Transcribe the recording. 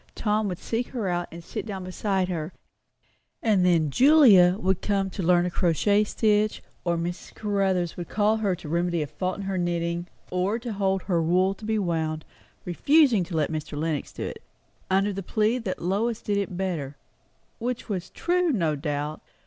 Tom would seek her out and sit down beside her; and then Julia would come to learn a crochet stitch, or Mrs. Caruthers would call her to remedy a fault in her knitting, or to hold her wool to be wound; refusing to let Mr. Lenox hold it, under the plea that Lois did it better; which was true, no doubt.